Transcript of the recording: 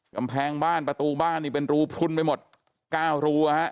กำแพงบ้านประตูบ้านนี่เป็นรูพลุนไปหมด๙รูฮะ